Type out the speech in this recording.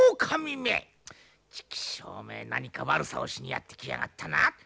チクショーめ何か悪さをしにやって来やがったな！